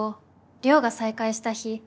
漁が再開した日。